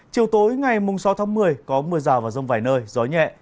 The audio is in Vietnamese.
chiều tối ngày sáu tháng một mươi có mưa rào và rông vài nơi gió nhẹ